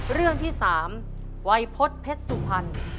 เรื่องที่๓วัยพฤษเพชรสุพรรณ